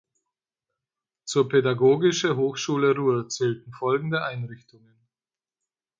Zur Pädagogische Hochschule Ruhr zählten folgende Einrichtungen